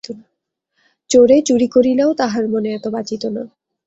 চোরে চুরি করিলেও তাহার মনে এত বাজিত না।